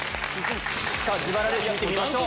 自腹レース見てみましょう。